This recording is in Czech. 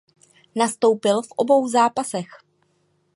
Nastoupil v obou zápasech.